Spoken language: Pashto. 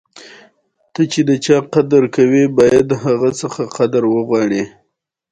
له چا سره چې د سبا ورځې فکر نه وي.